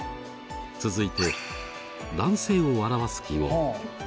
続いて男性を表す記号。